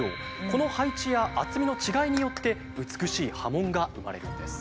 この配置や厚みの違いによって美しい刃文が生まれるんです。